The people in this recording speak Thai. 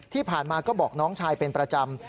ที่ผ่านมาก็บอกน้องชายเป็นประจำ